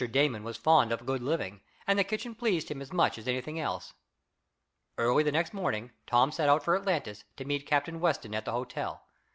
Damon was fond of good living, and the kitchen pleased him as much as anything else. Early the next morning Tom set out for Atlantis, to meet Captain Weston at the hotel.